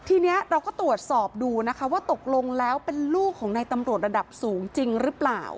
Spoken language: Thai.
ทีนี้เราก็ตรวจสอบดูนะคะว่าตกลงแล้วเป็นลูกของนายตำรวจระดับสูงจริงหรือเปล่า